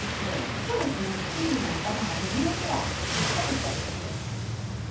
そうですねきゅうりの頭が出ないぐらいしっかりと。